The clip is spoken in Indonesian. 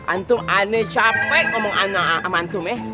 antum aneh capek omong aneh am antum eh